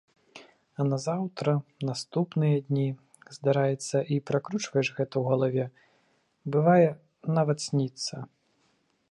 А назаўтра, наступныя дні, здараецца, і пракручваеш гэта ў галаве, бывае, нават сніцца.